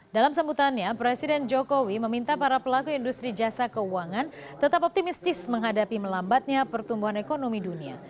dalam sambutannya presiden jokowi meminta para pelaku industri jasa keuangan tetap optimistis menghadapi melambatnya pertumbuhan ekonomi dunia